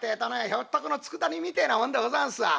ひょっとこのつくだ煮みてえなもんでござんすわ。